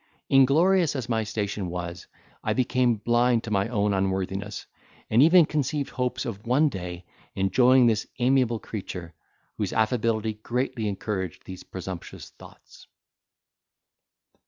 Inglorious as my station was, I became blind to my own unworthiness, and even conceived hopes of one day enjoying this amiable creature, whose, affability greatly encouraged these presumptuous thoughts.